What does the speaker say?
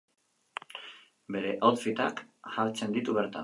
Bere outfitak jartzen ditu bertan.